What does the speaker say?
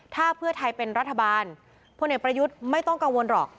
ถ้าเพื่อไทยเป็นรัฐบาลพลเอกประยุทธ์ไม่ต้องกังวลหรอก